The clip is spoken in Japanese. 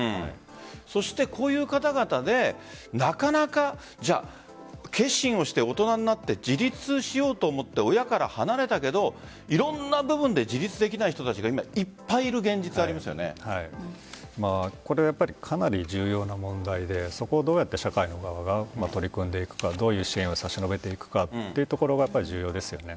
そして、こういう方々でなかなか決心をして大人になって自立しようと思って親から離れたけどいろんな部分で自立できない人たちが今これはかなり重要な問題でそこをどうやって社会側が取り込んでいくかどういう支援を差し伸べていくかというところが重要ですよね。